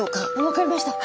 分かりました。